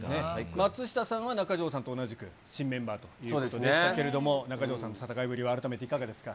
松下さんは中条さんと同じく、新メンバーということでしたけれども、中条さんの戦いぶりは改めていかがですか。